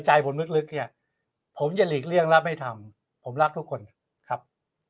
ใจผมลึกเนี่ยผมจะหลีกเลี่ยงและไม่ทำผมรักทุกคนครับ